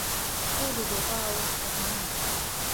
خور د دعاوو خزانه ده.